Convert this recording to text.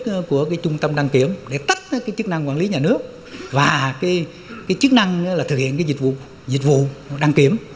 trong trung tâm đăng kiểm để tách cái chức năng quản lý nhà nước và cái chức năng là thực hiện cái dịch vụ đăng kiểm